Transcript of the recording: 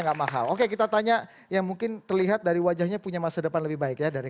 nggak mahal oke kita tanya yang mungkin terlihat dari wajahnya punya masa depan lebih baik ya dari